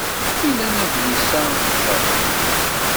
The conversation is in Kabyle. Wilan adlis-a n tjerrumt?